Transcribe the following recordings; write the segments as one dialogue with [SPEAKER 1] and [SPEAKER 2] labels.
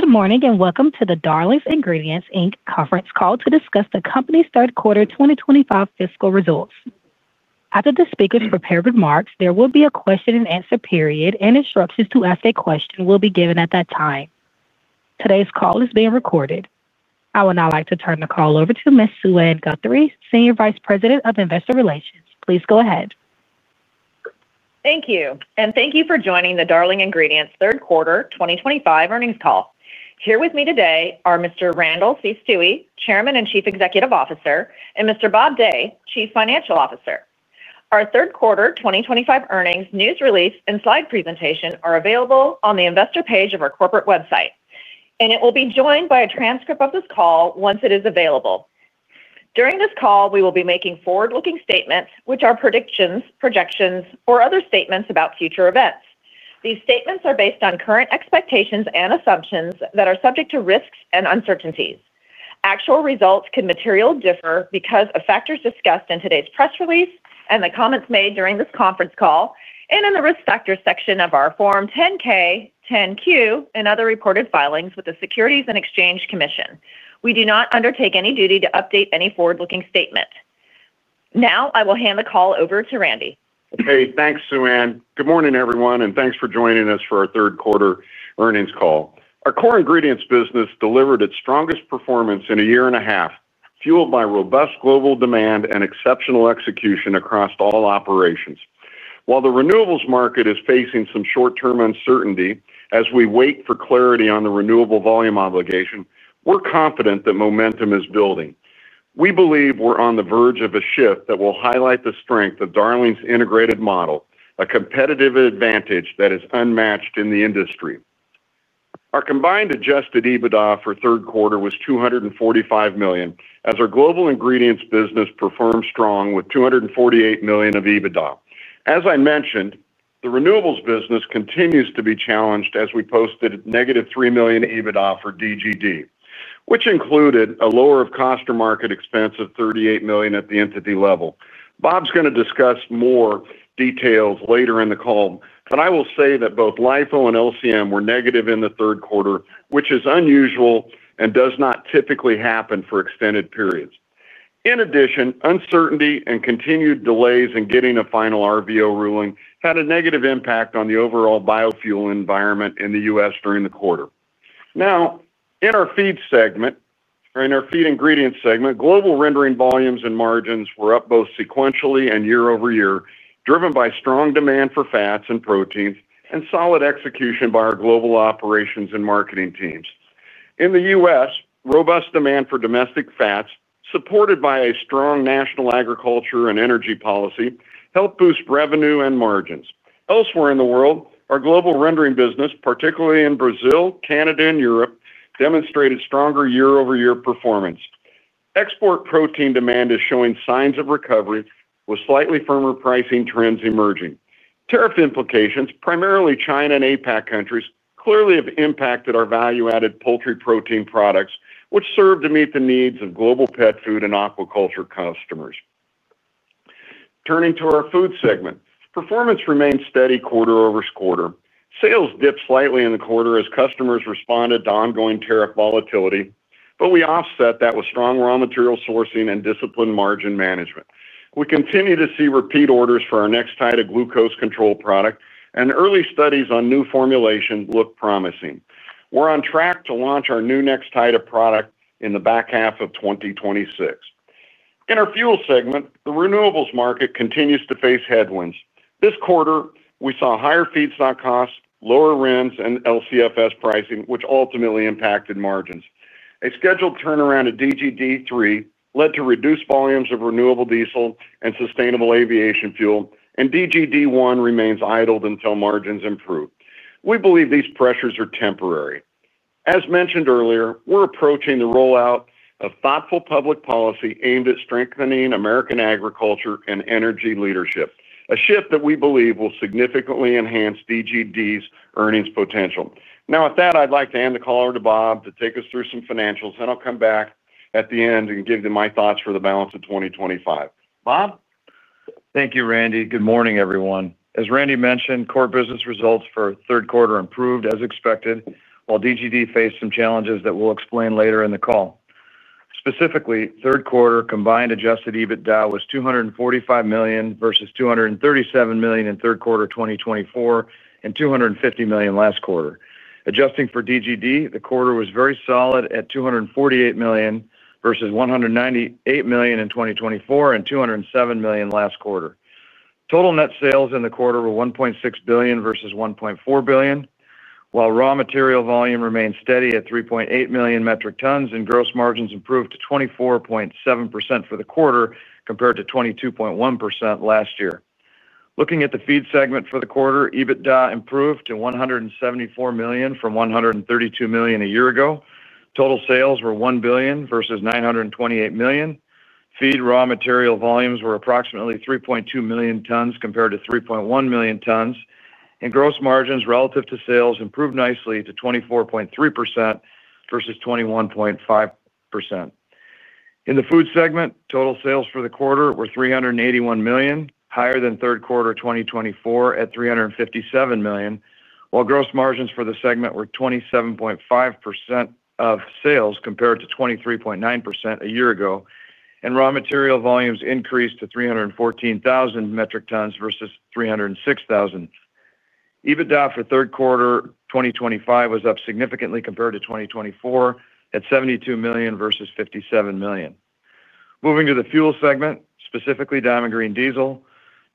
[SPEAKER 1] Good morning and welcome to the Darling Ingredients Inc. conference call to discuss the company's third quarter 2025 fiscal results. After the speakers prepare remarks, there will be a question and answer period, and instructions to ask a question will be given at that time. Today's call is being recorded. I would now like to turn the call over to Ms. Suann Guthrie, Senior Vice President of Investor Relations. Please go ahead.
[SPEAKER 2] Thank you. Thank you for joining the Darling Ingredients Third Quarter 2025 earnings call. Here with me today are Mr. Randall C. Stuewe, Chairman and Chief Executive Officer, and Mr. Bob Day, Chief Financial Officer. Our third quarter 2025 earnings news release and slide presentation are available on the investor page of our corporate website, and it will be joined by a transcript of this call once it is available. During this call, we will be making forward-looking statements, which are predictions, projections, or other statements about future events. These statements are based on current expectations and assumptions that are subject to risks and uncertainties. Actual results can materially differ because of factors discussed in today's press release and the comments made during this conference call and in the risk factors section of our Form 10-K, 10-Q, and other reported filings with the Securities and Exchange Commission. We do not undertake any duty to update any forward-looking statement. Now, I will hand the call over to Randy.
[SPEAKER 3] Okay. Thanks, Suann. Good morning, everyone, and thanks for joining us for our third quarter earnings call. Our core ingredients business delivered its strongest performance in a year and a half, fueled by robust global demand and exceptional execution across all operations. While the renewables market is facing some short-term uncertainty as we wait for clarity on the Renewable Volume Obligation, we're confident that momentum is building. We believe we're on the verge of a shift that will highlight the strength of Darling's integrated model, a competitive advantage that is unmatched in the industry. Our combined adjusted EBITDA for third quarter was $245 million, as our global ingredients business performed strong with $248 million of EBITDA. As I mentioned, the renewables business continues to be challenged as we posted a negative $3 million EBITDA for DGD, which included a lower of cost or market expense of $38 million at the entity level. Bob's going to discuss more details later in the call, but I will say that both LIFO and LCM were negative in the third quarter, which is unusual and does not typically happen for extended periods. In addition, uncertainty and continued delays in getting a final RVO ruling had a negative impact on the overall biofuel environment in the U.S. during the quarter. Now, in our feed segment, or in our feed ingredients segment, global rendering volumes and margins were up both sequentially and year-over-year, driven by strong demand for fats and proteins and solid execution by our global operations and marketing teams. In the U.S., robust demand for domestic fats, supported by a strong national agriculture and energy policy, helped boost revenue and margins. Elsewhere in the world, our global rendering business, particularly in Brazil, Canada, and Europe, demonstrated stronger year-over-year performance. Export protein demand is showing signs of recovery, with slightly firmer pricing trends emerging. Tariff implications, primarily China and APAC countries, clearly have impacted our value-added poultry protein products, which serve to meet the needs of global pet food and aquaculture customers. Turning to our food segment, performance remained steady quarter over quarter. Sales dipped slightly in the quarter as customers responded to ongoing tariff volatility, but we offset that with strong raw material sourcing and disciplined margin management. We continue to see repeat orders for our Nextida glucose control product, and early studies on new formulations look promising. We're on track to launch our new Nextida product in the back half of 2026. In our fuel segment, the renewables market continues to face headwinds. This quarter, we saw higher feedstock costs, lower RINs and LCFS pricing, which ultimately impacted margins. A scheduled turnaround at DGD-3 led to reduced volumes of renewable diesel and sustainable aviation fuel, and DGD-1 remains idled until margins improve. We believe these pressures are temporary. As mentioned earlier, we're approaching the rollout of thoughtful public policy aimed at strengthening American agriculture and energy leadership, a shift that we believe will significantly enhance DGD's earnings potential. Now, with that, I'd like to hand the call over to Bob to take us through some financials, and I'll come back at the end and give you my thoughts for the balance of 2025. Bob?
[SPEAKER 4] Thank you, Randy. Good morning, everyone. As Randy mentioned, core business results for third quarter improved as expected, while DGD faced some challenges that we'll explain later in the call. Specifically, third quarter combined adjusted EBITDA was $245 million vs $237 million in third quarter 2024 and $250 million last quarter. Adjusting for DGD, the quarter was very solid at $248 million vs $198 million in 2024 and $207 million last quarter. Total net sales in the quarter were $1.6 billion vs $1.4 billion, while raw material volume remained steady at 3.8 million metric tons and gross margins improved to 24.7% for the quarter compared to 22.1% last year. Looking at the feed segment for the quarter, EBITDA improved to $174 million from $132 million a year ago. Total sales were $1 billion vs $928 million. Feed raw material volumes were approximately 3.2 million tons compared to 3.1 million tons, and gross margins relative to sales improved nicely to 24.3% vs 21.5%. In the food segment, total sales for the quarter were $381 million, higher than third quarter 2024 at $357 million, while gross margins for the segment were 27.5% of sales compared to 23.9% a year ago, and raw material volumes increased to 314,000 metric tons vs 306,000. EBITDA for third quarter 2025 was up significantly compared to 2024 at $72 million vs $57 million. Moving to the fuel segment, specifically Diamond Green Diesel,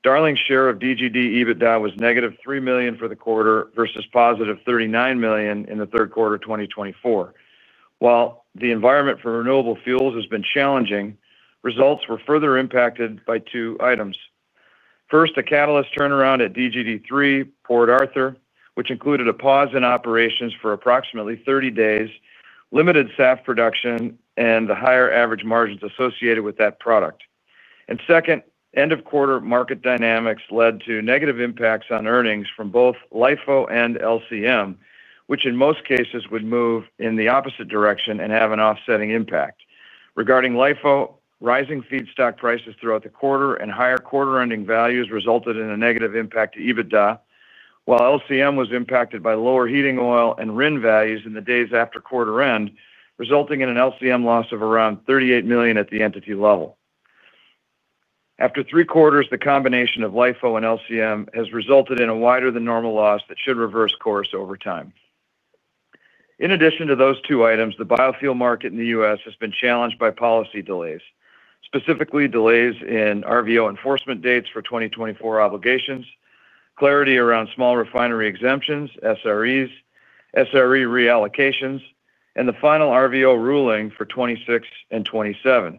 [SPEAKER 4] Darling's share of DGD EBITDA was -$3 million for the quarter vs +$39 million in the third quarter 2024. While the environment for renewable fuels has been challenging, results were further impacted by two items. First, a catalyst turnaround at DGD-3, Port Arthur, which included a pause in operations for approximately 30 days, limited SAF production, and the higher average margins associated with that product. Second, end-of-quarter market dynamics led to negative impacts on earnings from both LIFO and LCM, which in most cases would move in the opposite direction and have an offsetting impact. Regarding LIFO, rising feedstock prices throughout the quarter and higher quarter-ending values resulted in a negative impact to EBITDA, while LCM was impacted by lower heating oil and RINs values in the days after quarter end, resulting in an LCM loss of around $38 million at the entity level. After three quarters, the combination of LIFO and LCM has resulted in a wider than normal loss that should reverse course over time. In addition to those two items, the biofuel market in the U.S. has been challenged by policy delays, specifically delays in RVO enforcement dates for 2024 obligations, clarity around small refinery exemptions, SREs, SRE reallocations, and the final RVO ruling for 2026 and 2027.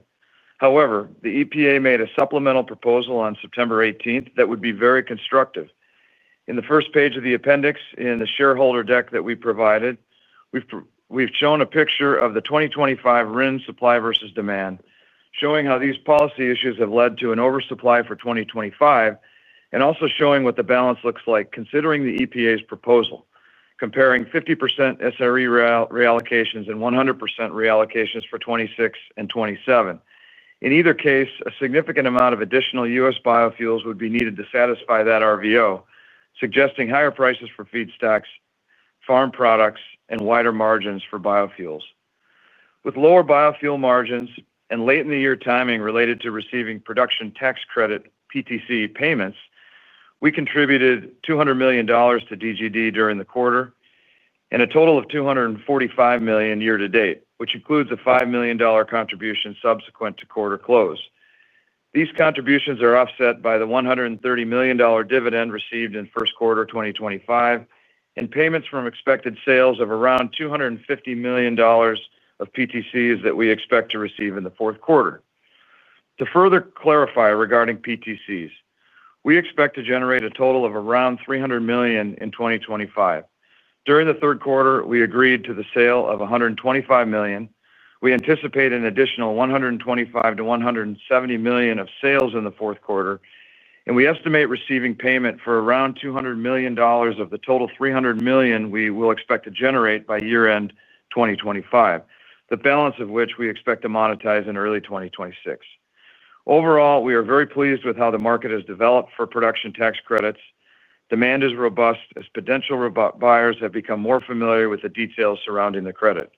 [SPEAKER 4] However, the EPA made a supplemental proposal on September 18th that would be very constructive. In the first page of the appendix in the shareholder deck that we provided, we've shown a picture of the 2025 RINs supply vs demand, showing how these policy issues have led to an oversupply for 2025 and also showing what the balance looks like considering the EPA's proposal, comparing 50% SRE reallocations and 100% reallocations for 2026 and 2027. In either case, a significant amount of additional U.S. biofuels would be needed to satisfy that RVO, suggesting higher prices for feedstocks, farm products, and wider margins for biofuels. With lower biofuel margins and late-in-the-year timing related to receiving production tax credit, PTC, payments, we contributed $200 million to DGD during the quarter and a total of $245 million year to date, which includes a $5 million contribution subsequent to quarter close. These contributions are offset by the $130 million dividend received in first quarter 2025 and payments from expected sales of around $250 million of PTCs that we expect to receive in the fourth quarter. To further clarify regarding PTCs, we expect to generate a total of around $300 million in 2025. During the third quarter, we agreed to the sale of $125 million. We anticipate an additional $125 million-$170 million of sales in the fourth quarter, and we estimate receiving payment for around $200 million of the total $300 million we will expect to generate by year-end 2025, the balance of which we expect to monetize in early 2026. Overall, we are very pleased with how the market has developed for production tax credits. Demand is robust as potential buyers have become more familiar with the details surrounding the credit.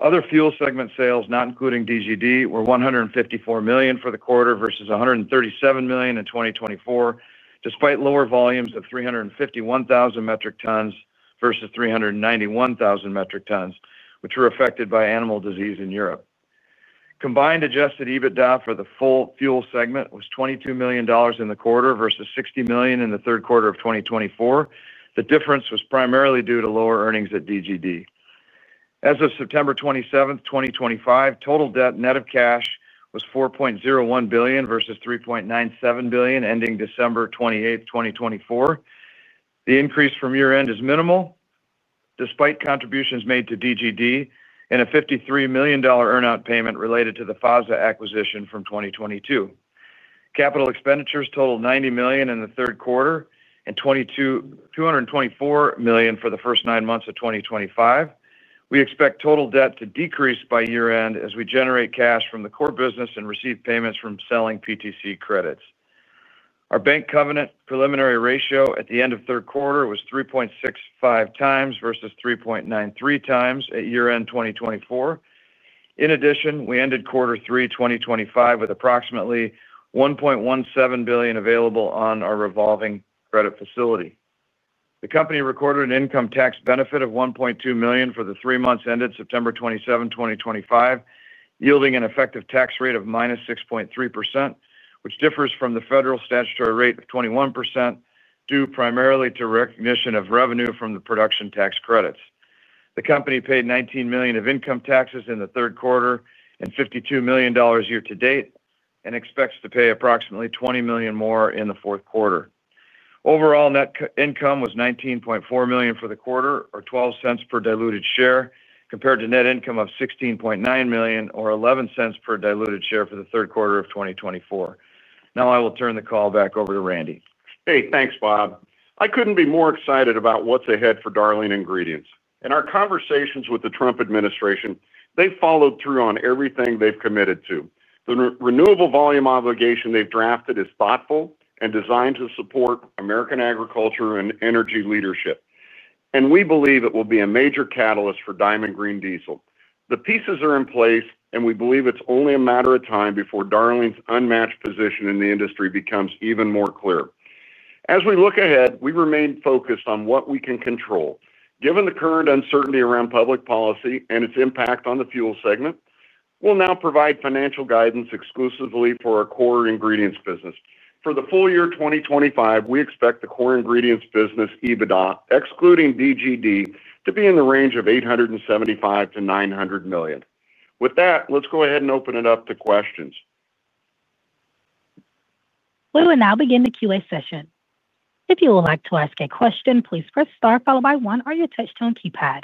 [SPEAKER 4] Other fuel segment sales, not including DGD, were $154 million for the quarter vs $137 million in 2024, despite lower volumes of 351,000 metric tons vs 391,000 metric tons, which were affected by animal disease in Europe. Combined adjusted EBITDA for the full fuel segment was $22 million in the quarter vs $60 million in the third quarter of 2024. The difference was primarily due to lower earnings at DGD. As of September 27, 2025, total debt net of cash was $4.01 billion vs $3.97 billion ending December 28, 2024. The increase from year-end is minimal despite contributions made to DGD and a $53 million earnout payment related to the FASA acquisition from 2022. Capital expenditures totaled $90 million in the third quarter and $224 million for the first nine months of 2025. We expect total debt to decrease by year-end as we generate cash from the core business and receive payments from selling PTC credits. Our bank covenant preliminary ratio at the end of third quarter was 3.65x vs 3.93x at year-end 2024. In addition, we ended quarter three 2025 with approximately $1.17 billion available on our revolving credit facility. The company recorded an income tax benefit of $1.2 million for the three months ended September 27, 2025, yielding an effective tax rate of -6.3%, which differs from the federal statutory rate of 21% due primarily to recognition of revenue from the production tax credits. The company paid $19 million of income taxes in the third quarter and $52 million year to date and expects to pay approximately $20 million more in the fourth quarter. Overall net income was $19.4 million for the quarter, or $0.12 per diluted share, compared to net income of $16.9 million, or $0.11 per diluted share for the third quarter of 2024. Now I will turn the call back over to Randy.
[SPEAKER 3] Hey, thanks, Bob. I couldn't be more excited about what's ahead for Darling Ingredients. In our conversations with the Trump administration, they've followed through on everything they've committed to. The Renewable Volume Obligation they've drafted is thoughtful and designed to support American agriculture and energy leadership, and we believe it will be a major catalyst for Diamond Green Diesel. The pieces are in place, and we believe it's only a matter of time before Darling's unmatched position in the industry becomes even more clear. As we look ahead, we remain focused on what we can control. Given the current uncertainty around public policy and its impact on the fuel segment, we'll now provide financial guidance exclusively for our core ingredients business. For the full year 2025, we expect the core ingredients business EBITDA, excluding DGD, to be in the range of $875 to $900 million. With that, let's go ahead and open it up to questions.
[SPEAKER 1] We will now begin the Q&A session. If you would like to ask a question, please press star followed by one on your touch-tone keypad.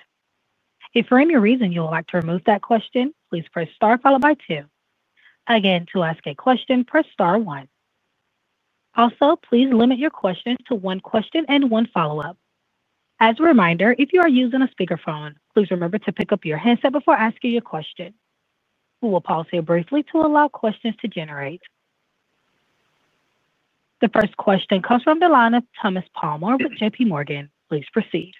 [SPEAKER 1] If for any reason you would like to remove that question, please press star followed by two. Again, to ask a question, press star one. Also, please limit your questions to one question and one follow-up. As a reminder, if you are using a speakerphone, please remember to pick up your headset before asking your question. We will pause here briefly to allow questions to generate. The first question comes from the line of Thomas Palmer with JPMorgan. Please proceed.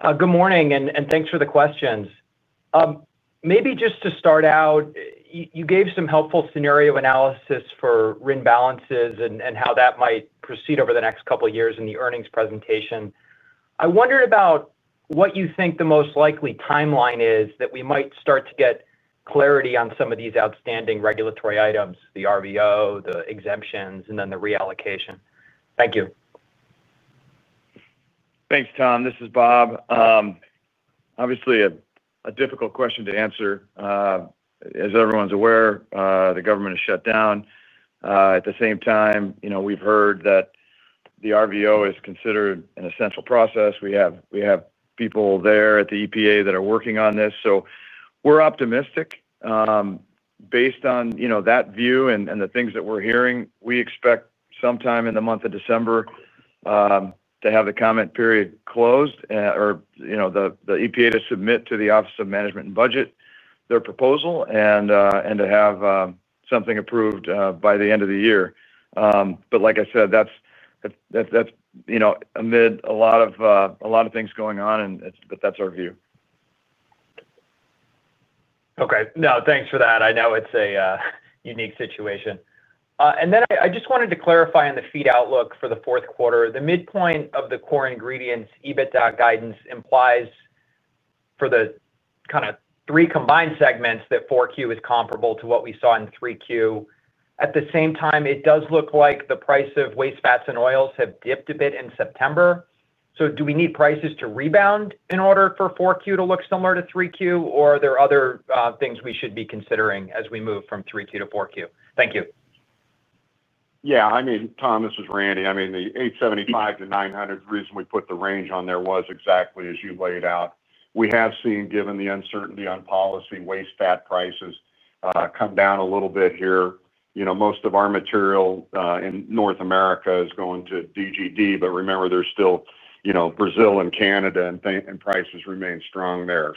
[SPEAKER 5] Good morning, and thanks for the questions. Maybe just to start out, you gave some helpful scenario analysis for RINs balances and how that might proceed over the next couple of years in the earnings presentation. I wondered about what you think the most likely timeline is that we might start to get clarity on some of these outstanding regulatory items, the RVO, the exemptions, and then the reallocation. Thank you.
[SPEAKER 4] Thanks, Tom. This is Bob. Obviously, a difficult question to answer. As everyone's aware, the government is shut down. At the same time, you know we've heard that the RVO is considered an essential process. We have people there at the EPA that are working on this. We're optimistic. Based on that view and the things that we're hearing, we expect sometime in the month of December to have the comment period closed or the EPA to submit to the Office of Management and Budget their proposal and to have something approved by the end of the year. Like I said, that's amid a lot of things going on, but that's our view.
[SPEAKER 5] Okay. No, thanks for that. I know it's a unique situation. I just wanted to clarify in the feed outlook for the fourth quarter, the midpoint of the core ingredients EBITDA guidance implies for the kind of three combined segments that 4Q is comparable to what we saw in 3Q. At the same time, it does look like the price of waste fats and oils have dipped a bit in September. Do we need prices to rebound in order for 4Q to look similar to 3Q, or are there other things we should be considering as we move from 3Q to 4Q? Thank you.
[SPEAKER 3] Yeah. I mean, Tom, this is Randy. I mean, the $875 to $900 reason we put the range on there was exactly as you laid out. We have seen, given the uncertainty on policy, waste fat prices come down a little bit here. You know, most of our material in North America is going to DGD, but remember, there's still, you know, Brazil and Canada, and prices remain strong there.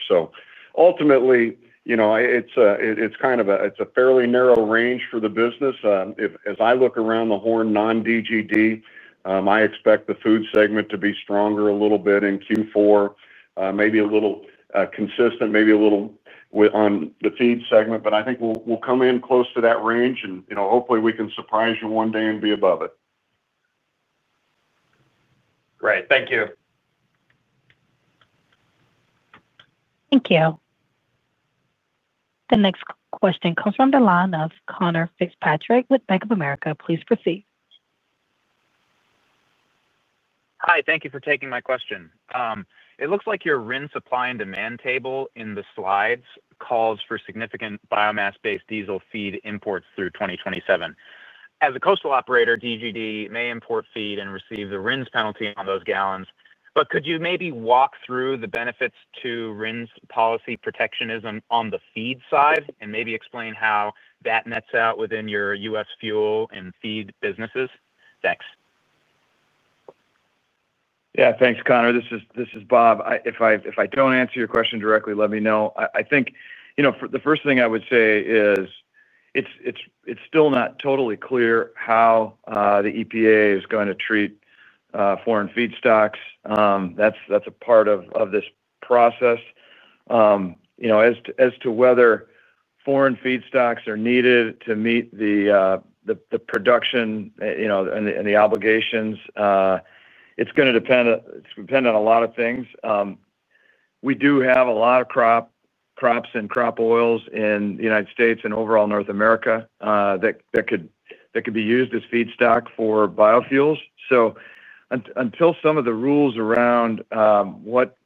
[SPEAKER 3] Ultimately, it's kind of a fairly narrow range for the business. As I look around the horn non-DGD, I expect the food segment to be stronger a little bit in Q4, maybe a little consistent, maybe a little on the feed segment, but I think we'll come in close to that range, and you know, hopefully, we can surprise you one day and be above it.
[SPEAKER 5] Great. Thank you.
[SPEAKER 1] Thank you. The next question comes from the line of Conor Fitzpatrick with Bank of America. Please proceed.
[SPEAKER 6] Hi. Thank you for taking my question. It looks like your RINs supply and demand table in the slides calls for significant biomass-based diesel feed imports through 2027. As a coastal operator, DGD may import feed and receive the RINs penalty on those gallons, but could you maybe walk through the benefits to RINs policy protectionism on the feed side and maybe explain how that nets out within your U.S. fuel and feed businesses? Thanks.
[SPEAKER 4] Yeah. Thanks, Connor. This is Bob. If I don't answer your question directly, let me know. I think the first thing I would say is it's still not totally clear how the EPA is going to treat foreign feedstocks. That's a part of this process. As to whether foreign feedstocks are needed to meet the production and the obligations, it's going to depend on a lot of things. We do have a lot of crops and crop oils in the U.S. and overall North America that could be used as feedstock for biofuels. Until some of the rules around what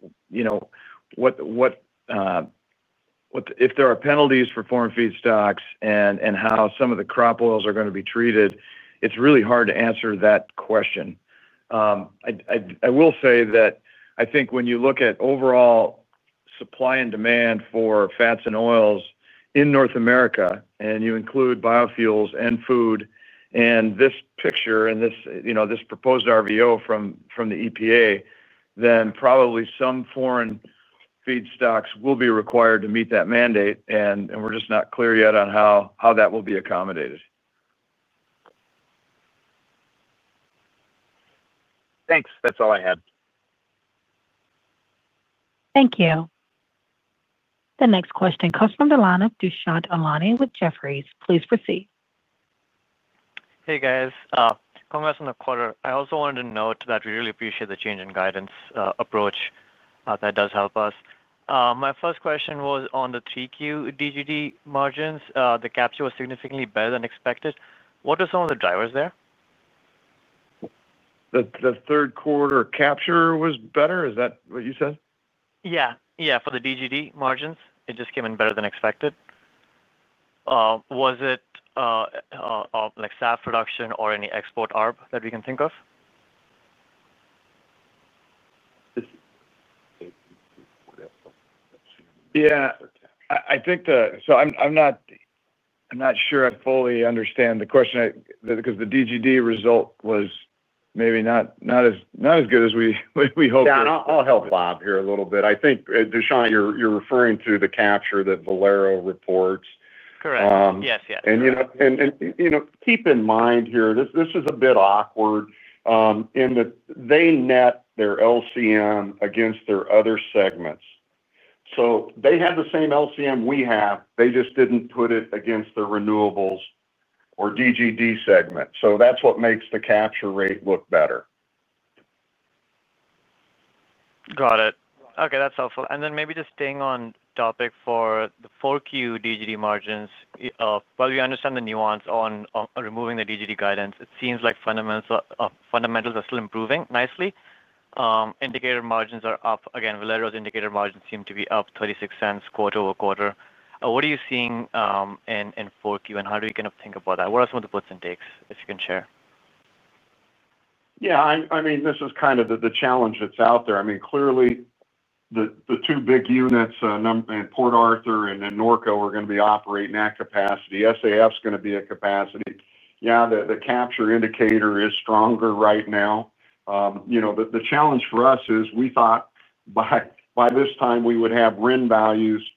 [SPEAKER 4] if there are penalties for foreign feedstocks and how some of the crop oils are going to be treated, it's really hard to answer that question. I will say that I think when you look at overall supply and demand for fats and oils in North America, and you include biofuels and food in this picture and this proposed RVO from the EPA, probably some foreign feedstocks will be required to meet that mandate, and we're just not clear yet on how that will be accommodated.
[SPEAKER 6] Thanks. That's all I had.
[SPEAKER 1] Thank you. The next question comes from the line of Dushyant Ajit Ailani with Jefferies LLC. Please proceed.
[SPEAKER 7] Hey, guys. Congrats on the quarter. I also wanted to note that we really appreciate the change in guidance approach. That does help us. My first question was on the 3Q DGD margins. The capture was significantly better than expected. What are some of the drivers there?
[SPEAKER 4] The third quarter capture was better. Is that what you said?
[SPEAKER 7] Yeah. Yeah. For the DGD margins, it just came in better than expected. Was it like SAF production or any export ARB that we can think of?
[SPEAKER 4] I think the, I'm not sure I fully understand the question because the DGD result was maybe not as good as we hoped.
[SPEAKER 3] Yeah. I'll help Bob here a little bit. I think, Dushyant, you're referring to the capture that Valero reports.
[SPEAKER 7] Correct. Yes, yes.
[SPEAKER 3] Keep in mind here, this is a bit awkward, in that they net their LCM against their other segments. They have the same LCM we have. They just didn't put it against their renewables or DGD segment. That's what makes the capture rate look better.
[SPEAKER 7] Got it. Okay. That's helpful. Maybe just staying on topic for the 4Q DGD margins, while we understand the nuance on removing the DGD guidance, it seems like fundamentals are still improving nicely. Indicator margins are up. Valero's indicator margins seem to be up $0.36 quarter over quarter. What are you seeing in 4Q, and how do you kind of think about that? What are some of the puts and takes, if you can share?
[SPEAKER 3] Yeah. I mean, this is kind of the challenge that's out there. Clearly, the two big units, Port Arthur and Norco, are going to be operating at capacity. SAF is going to be at capacity. The capture indicator is stronger right now. The challenge for us is we thought by this time we would have RINs values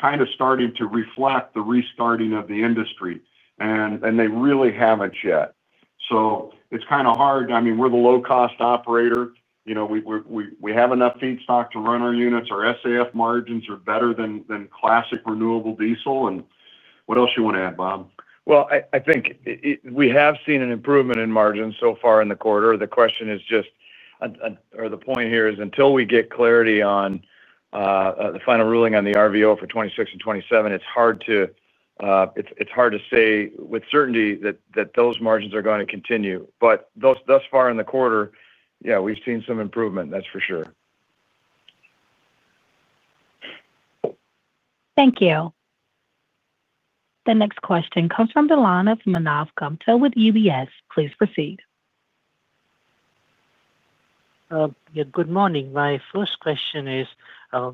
[SPEAKER 3] kind of starting to reflect the restarting of the industry, and they really haven't yet. It's kind of hard. We're the low-cost operator. We have enough feedstock to run our units. Our SAF margins are better than classic renewable diesel. What else you want to add, Bob?
[SPEAKER 4] I think we have seen an improvement in margins so far in the quarter. The question is just, or the point here is until we get clarity on the final ruling on the RVO for 2026 and 2027, it's hard to say with certainty that those margins are going to continue. Thus far in the quarter, yeah, we've seen some improvement, that's for sure.
[SPEAKER 1] Thank you. The next question comes from the line of Manav Gupta with UBS. Please proceed.
[SPEAKER 8] Yeah. Good morning. My first question is,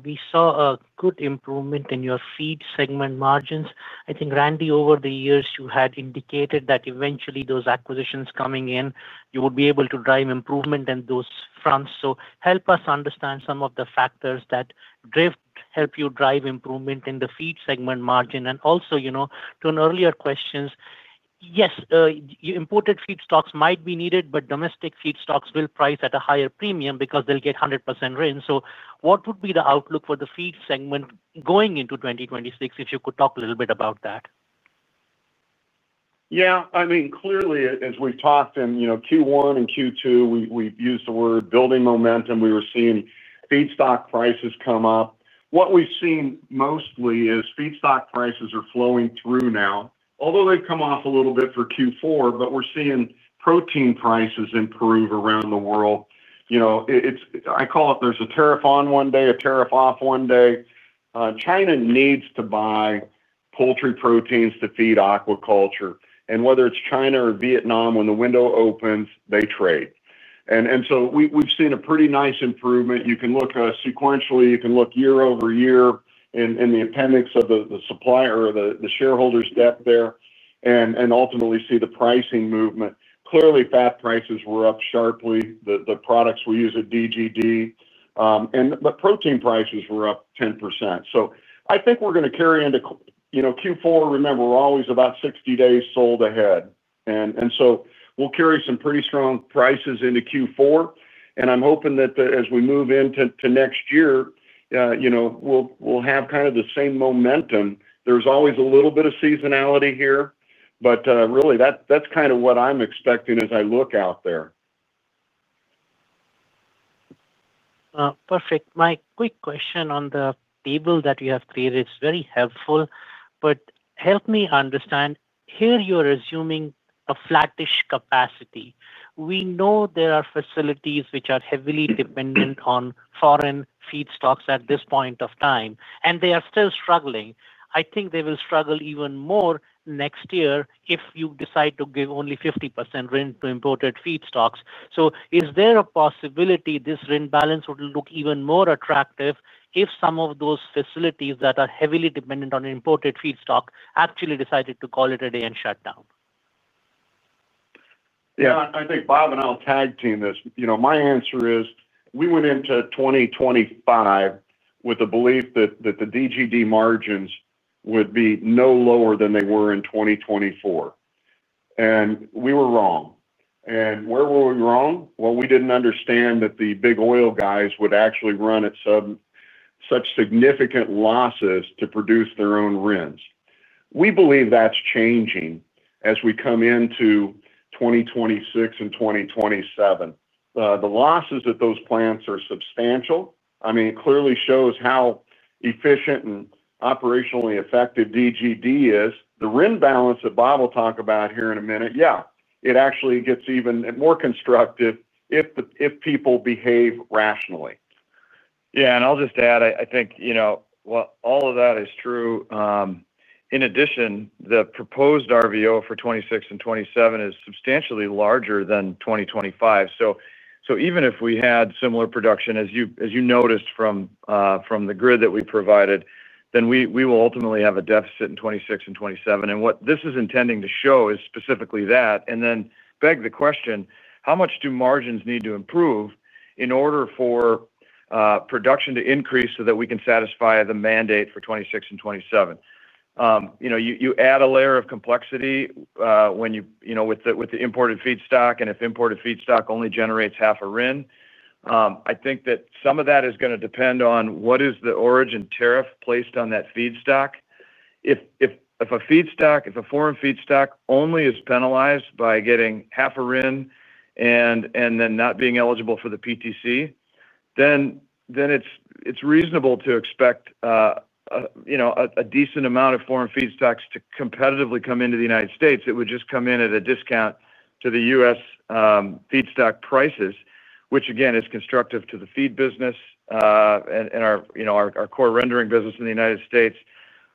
[SPEAKER 8] we saw a good improvement in your feed segment margins. I think, Randy, over the years, you had indicated that eventually those acquisitions coming in, you would be able to drive improvement in those fronts. Help us understand some of the factors that help you drive improvement in the feed segment margin. Also, to an earlier question, yes, your imported feedstocks might be needed, but domestic feedstocks will price at a higher premium because they'll get 100% RIN. What would be the outlook for the feed segment going into 2026, if you could talk a little bit about that?
[SPEAKER 3] Yeah. I mean, clearly, as we've talked in Q1 and Q2, we've used the word building momentum. We were seeing feedstock prices come up. What we've seen mostly is feedstock prices are flowing through now, although they've come off a little bit for Q4, but we're seeing protein prices improve around the world. I call it there's a tariff on one day, a tariff off one day. China needs to buy poultry proteins to feed aquaculture. Whether it's China or Vietnam, when the window opens, they trade. We've seen a pretty nice improvement. You can look sequentially. You can look year over year in the appendix of the supplier or the shareholders' debt there and ultimately see the pricing movement. Clearly, fat prices were up sharply. The products we use at DGD, and the protein prices were up 10%. I think we're going to carry into Q4. Remember, we're always about 60 days sold ahead. We'll carry some pretty strong prices into Q4. I'm hoping that as we move into next year, we'll have kind of the same momentum. There's always a little bit of seasonality here, but really, that's kind of what I'm expecting as I look out there.
[SPEAKER 8] Perfect. My quick question on the table that you have created is very helpful, but help me understand. Here, you're assuming a flattish capacity. We know there are facilities which are heavily dependent on foreign feedstocks at this point of time, and they are still struggling. I think they will struggle even more next year if you decide to give only 50% RINs to imported feedstocks. Is there a possibility this RINs balance would look even more attractive if some of those facilities that are heavily dependent on imported feedstock actually decided to call it a day and shut down?
[SPEAKER 3] Yeah. I think Bob and I'll tag team this. You know, my answer is we went into 2025 with the belief that the DGD margins would be no lower than they were in 2024. We were wrong. Where were we wrong? We didn't understand that the big oil guys would actually run at such significant losses to produce their own RINs. We believe that's changing as we come into 2026 and 2027. The losses at those plants are substantial. It clearly shows how efficient and operationally effective DGD is. The RINs balance that Bob will talk about here in a minute, it actually gets even more constructive if people behave rationally.
[SPEAKER 4] Yeah. I'll just add, I think all of that is true. In addition, the proposed Renewable Volume Obligation for 2026 and 2027 is substantially larger than 2025. Even if we had similar production, as you noticed from the grid that we provided, we will ultimately have a deficit in 2026 and 2027. What this is intending to show is specifically that. It begs the question, how much do margins need to improve in order for production to increase so that we can satisfy the mandate for 2026 and 2027? You add a layer of complexity with the imported feedstock, and if imported feedstock only generates half a Renewable Identification Number, I think that some of that is going to depend on what is the origin tariff placed on that feedstock. If a foreign feedstock only is penalized by getting half a Renewable Identification Number and then not being eligible for the production tax credits, then it's reasonable to expect a decent amount of foreign feedstocks to competitively come into the U.S. It would just come in at a discount to the U.S. feedstock prices, which again is constructive to the feed business and our core rendering business in the U.S.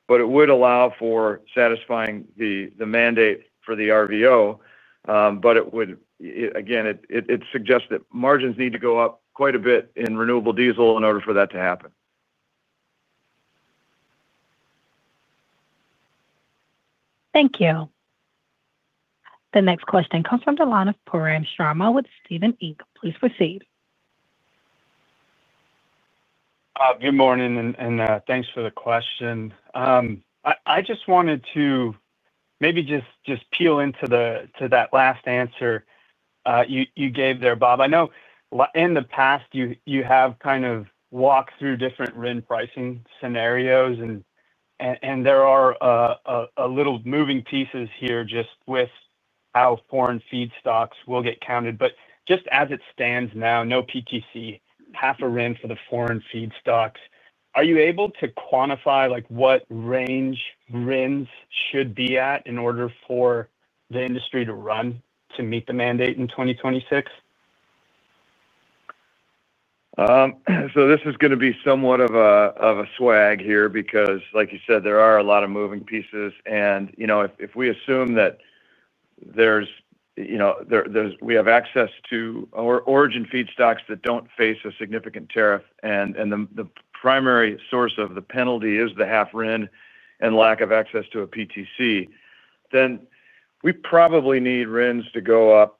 [SPEAKER 4] It would allow for satisfying the mandate for the Renewable Volume Obligation. It suggests that margins need to go up quite a bit in renewable diesel in order for that to happen.
[SPEAKER 1] Thank you. The next question comes from the line of Pooran Sharma with Stephens Inc. Please proceed.
[SPEAKER 9] Good morning, and thanks for the question. I just wanted to maybe peel into that last answer you gave there, Bob. I know in the past, you have kind of walked through different RIN pricing scenarios, and there are a little moving pieces here just with how foreign feedstocks will get counted. Just as it stands now, no PTC, half a RIN for the foreign feedstocks. Are you able to quantify what range RINs should be at in order for the industry to run to meet the mandate in 2026?
[SPEAKER 4] This is going to be somewhat of a swag here because, like you said, there are a lot of moving pieces. If we assume that we have access to origin feedstocks that don't face a significant tariff and the primary source of the penalty is the half RIN and lack of access to a PTC, then we probably need RINs to go up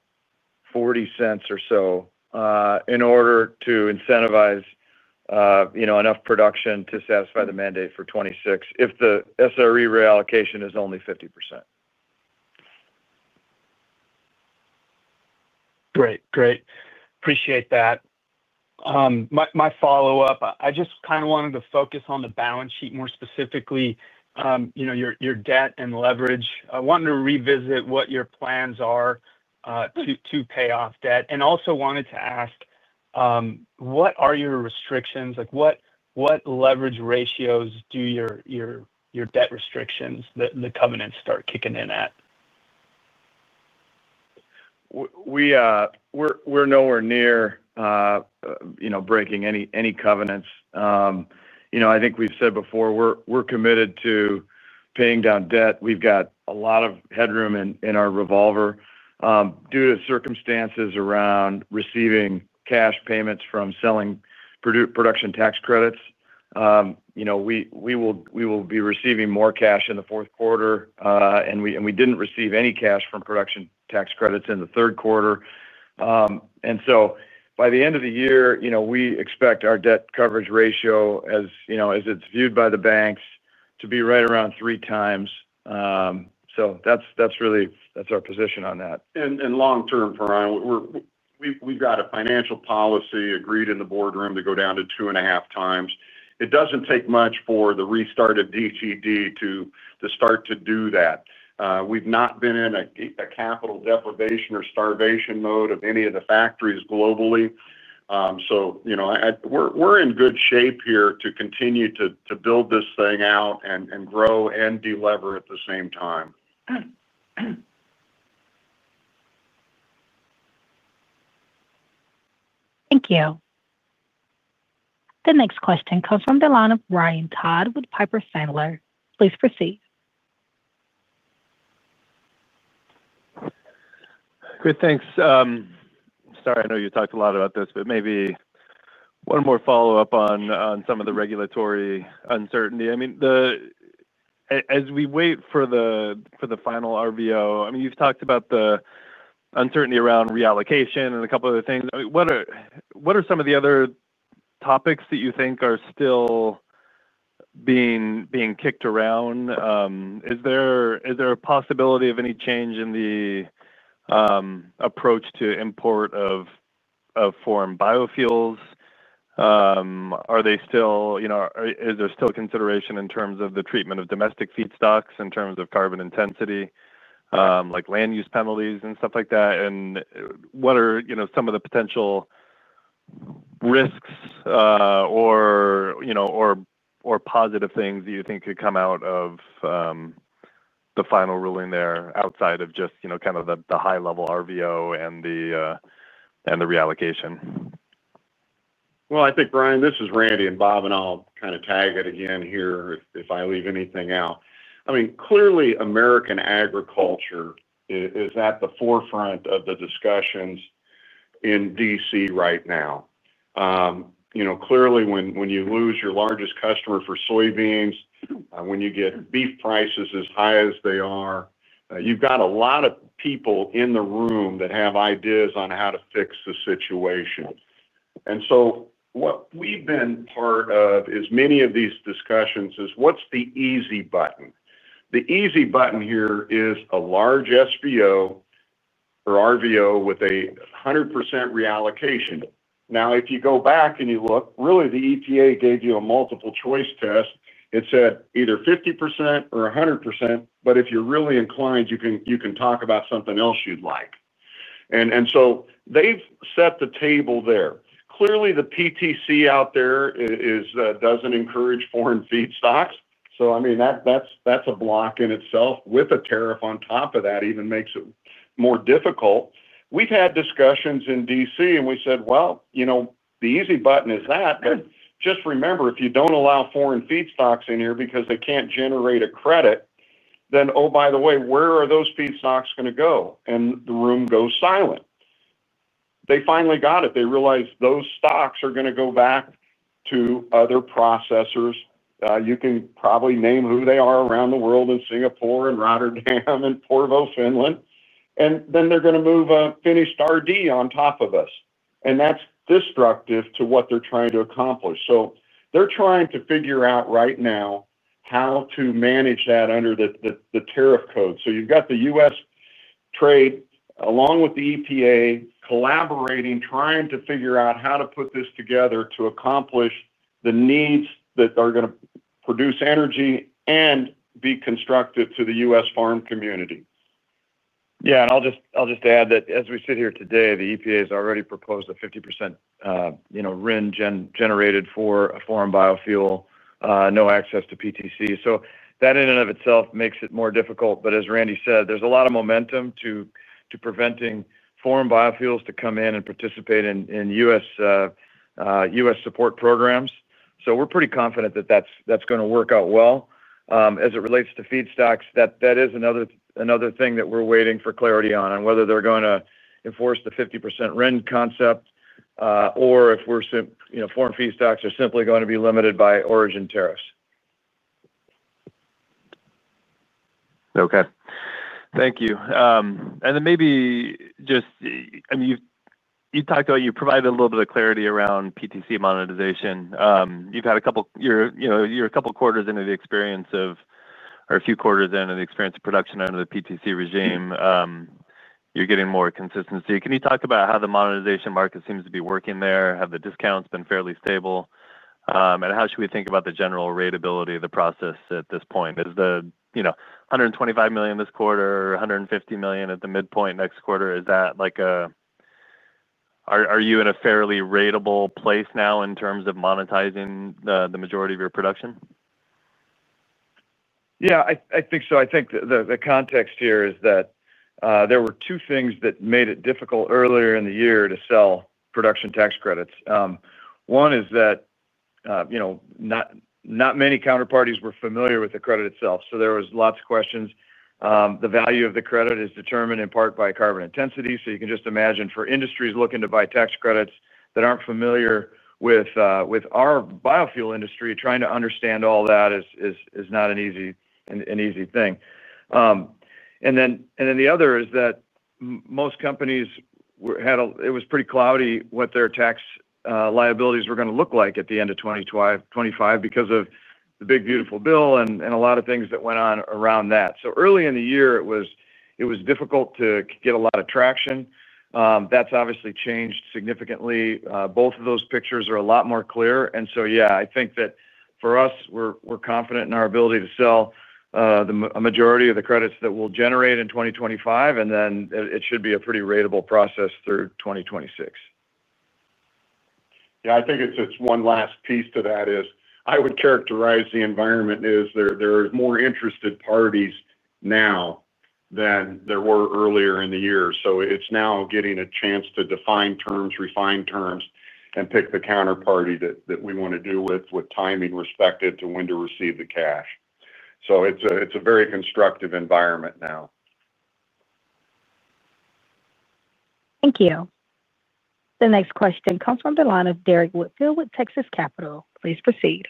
[SPEAKER 4] $0.40 or so in order to incentivize enough production to satisfy the mandate for 2026 if the SRE reallocation is only 50%.
[SPEAKER 9] Great. Great. Appreciate that. My follow-up, I just kind of wanted to focus on the balance sheet more specifically, you know, your debt and leverage. I wanted to revisit what your plans are to pay off debt. I also wanted to ask, what are your restrictions? Like, what leverage ratios do your debt restrictions, the covenants, start kicking in at?
[SPEAKER 4] We're nowhere near breaking any covenants. I think we've said before, we're committed to paying down debt. We've got a lot of headroom in our revolver. Due to circumstances around receiving cash payments from selling production tax credits, we will be receiving more cash in the fourth quarter, and we didn't receive any cash from production tax credits in the third quarter. By the end of the year, we expect our debt coverage ratio, as it's viewed by the banks, to be right around threes. That's really our position on that. Long term, Farhan, we've got a financial policy agreed in the boardroom to go down to 2.5x. It doesn't take much for the restart of DGD to start to do that. We've not been in a capital deprivation or starvation mode of any of the factories globally. You know, we're in good shape here to continue to build this thing out and grow and deliver at the same time.
[SPEAKER 1] Thank you. The next question comes from the line of Ryan M. Todd with Piper Sandler. Please proceed.
[SPEAKER 10] Good. Thanks. Sorry, I know you talked a lot about this, but maybe one more follow-up on some of the regulatory uncertainty. As we wait for the final RVO, you've talked about the uncertainty around reallocation and a couple of other things. What are some of the other topics that you think are still being kicked around? Is there a possibility of any change in the approach to import of foreign biofuels? Are they still, you know, is there still a consideration in terms of the treatment of domestic feedstocks, in terms of carbon intensity, like land use penalties and stuff like that? What are some of the potential risks or, you know, or positive things that you think could come out of the final ruling there outside of just, you know, kind of the high-level RVO and the reallocation?
[SPEAKER 3] I think, Ryan, this is Randy, and Bob and I'll kind of tag it again here if I leave anything out. Clearly, American agriculture is at the forefront of the discussions in D.C. right now. Clearly, when you lose your largest customer for soybeans, when you get beef prices as high as they are, you've got a lot of people in the room that have ideas on how to fix the situation. What we've been part of, as many of these discussions, is what's the easy button? The easy button here is a large RVO or RVO with a 100% reallocation. If you go back and you look, really, the EPA gave you a multiple-choice test. It said either 50% or 100%, but if you're really inclined, you can talk about something else you'd like. They've set the table there. Clearly, the PTC out there doesn't encourage foreign feedstocks. That is a block in itself. With a tariff on top of that, it even makes it more difficult. We've had discussions in D.C., and we said, you know, the easy button is that. Just remember, if you don't allow foreign feedstocks in here because they can't generate a credit, then, oh, by the way, where are those feedstocks going to go? The room goes silent. They finally got it. They realized those stocks are going to go back to other processors. You can probably name who they are around the world in Singapore, in Rotterdam and Port of Finland. They're going to move a finished RD on top of us. That is destructive to what they're trying to accomplish. They're trying to figure out right now how to manage that under the tariff code. You've got the U.S. trade, along with the EPA, collaborating, trying to figure out how to put this together to accomplish the needs that are going to produce energy and be constructive to the U.S. farm community.
[SPEAKER 4] Yeah. I'll just add that as we sit here today, the EPA has already proposed a 50% RIN generated for a foreign biofuel, no access to PTC. That in and of itself makes it more difficult. As Randy said, there's a lot of momentum to preventing foreign biofuels to come in and participate in U.S. support programs. We're pretty confident that that's going to work out well. As it relates to feedstocks, that is another thing that we're waiting for clarity on, on whether they're going to enforce the 50% RIN concept or if, you know, foreign feedstocks are simply going to be limited by origin tariffs.
[SPEAKER 10] Okay. Thank you. Maybe just, I mean, you've talked about, you provided a little bit of clarity around PTC monetization. You've had a couple, you're a couple of quarters into the experience of, or a few quarters in the experience of production under the PTC regime. You're getting more consistency. Can you talk about how the monetization market seems to be working there? Have the discounts been fairly stable? How should we think about the general rateability of the process at this point? Is the, you know, $125 million this quarter, $150 million at the midpoint next quarter, is that like a, are you in a fairly ratable place now in terms of monetizing the majority of your production?
[SPEAKER 4] Yeah, I think so. I think the context here is that there were two things that made it difficult earlier in the year to sell production tax credits. One is that, you know, not many counterparties were familiar with the credit itself. There were lots of questions. The value of the credit is determined in part by carbon intensity. You can just imagine for industries looking to buy tax credits that aren't familiar with our biofuel industry, trying to understand all that is not an easy thing. The other is that most companies had, it was pretty cloudy what their tax liabilities were going to look like at the end of 2025 because of the Big Beautiful Bill and a lot of things that went on around that. Early in the year, it was difficult to get a lot of traction. That's obviously changed significantly. Both of those pictures are a lot more clear. Yeah, I think that for us, we're confident in our ability to sell a majority of the credits that we'll generate in 2025. It should be a pretty ratable process through 2026.
[SPEAKER 3] Yeah, I think one last piece to that is I would characterize the environment as there are more interested parties now than there were earlier in the year. It's now getting a chance to define terms, refine terms, and pick the counterparty that we want to do with, with timing respective to when to receive the cash. It's a very constructive environment now.
[SPEAKER 1] Thank you. The next question comes from the line of Derrick Whitfield with Texas Capital. Please proceed.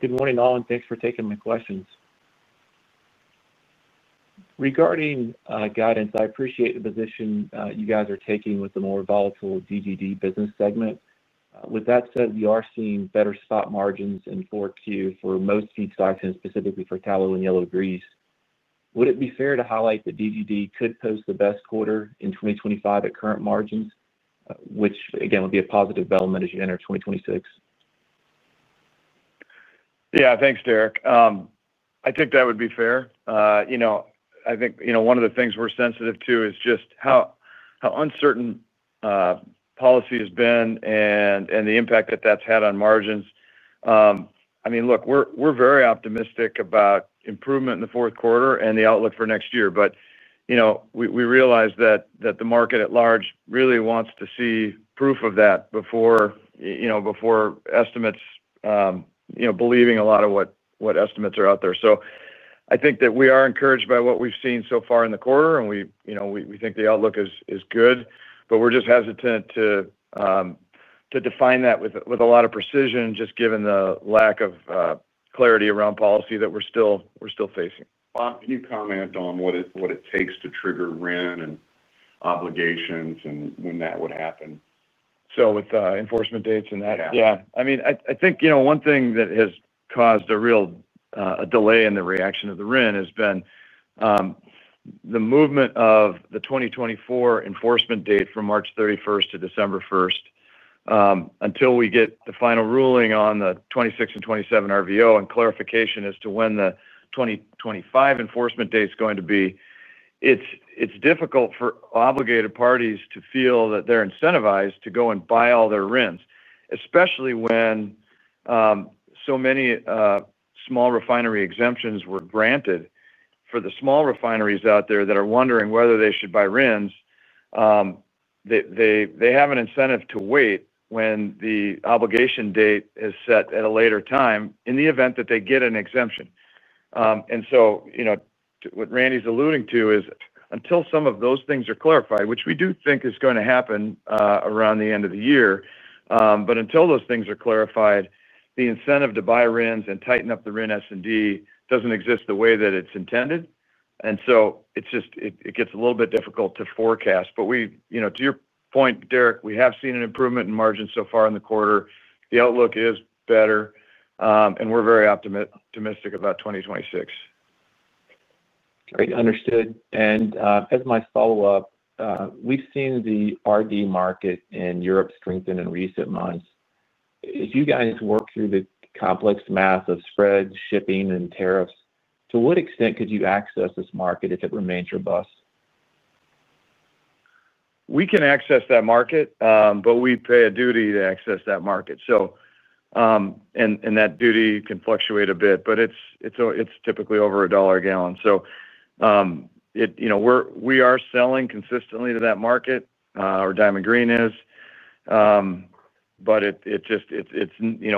[SPEAKER 11] Good morning, all, and thanks for taking my questions. Regarding guidance, I appreciate the position you guys are taking with the more volatile DGD business segment. With that said, we are seeing better spot margins in 4Q for most feedstocks and specifically for tallow and yellow grease. Would it be fair to highlight that DGD could post the best quarter in 2025 at current margins, which again would be a positive development as you enter 2026?
[SPEAKER 4] Yeah, thanks, Derrick. I think that would be fair. One of the things we're sensitive to is just how uncertain policy has been and the impact that that's had on margins. I mean, look, we're very optimistic about improvement in the fourth quarter and the outlook for next year. We realize that the market at large really wants to see proof of that before estimates, believing a lot of what estimates are out there. I think that we are encouraged by what we've seen so far in the quarter, and we think the outlook is good, but we're just hesitant to define that with a lot of precision, just given the lack of clarity around policy that we're still facing.
[SPEAKER 3] Bob, can you comment on what it takes to trigger RIN and obligations and when that would happen?
[SPEAKER 4] With enforcement dates and that? Yeah. I mean, I think, you know, one thing that has caused a real delay in the reaction of the RIN has been the movement of the 2024 enforcement date from March 31 to December 1. Until we get the final ruling on the 2026 and 2027 Renewable Volume Obligation and clarification as to when the 2025 enforcement date is going to be, it's difficult for obligated parties to feel that they're incentivized to go and buy all their RINs, especially when so many small refinery exemptions were granted for the small refineries out there that are wondering whether they should buy RINs. They have an incentive to wait when the obligation date is set at a later time in the event that they get an exemption. What Randy's alluding to is until some of those things are clarified, which we do think is going to happen around the end of the year, the incentive to buy RINs and tighten up the RIN supply and demand doesn't exist the way that it's intended. It gets a little bit difficult to forecast. To your point, Derrick, we have seen an improvement in margins so far in the quarter. The outlook is better, and we're very optimistic about 2026.
[SPEAKER 11] Great. Understood. As my follow-up, we've seen the RD market in Europe strengthen in recent months. If you guys work through the complex math of spreads, shipping, and tariffs, to what extent could you access this market if it remains robust?
[SPEAKER 4] We can access that market, but we pay a duty to access that market. That duty can fluctuate a bit, but it's typically over $1.00 a gal. We are selling consistently to that market, or Diamond Green Diesel is, but